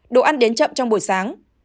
đồ ăn đến chậm trong buổi sáng